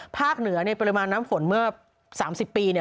เหนือในปริมาณน้ำฝนเมื่อ๓๐ปีเนี่ย